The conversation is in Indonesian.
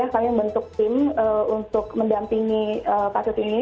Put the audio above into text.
kami membentuk tim untuk mendampingi kasus ini